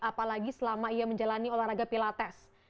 apalagi selama ia menjalani olahraga pilates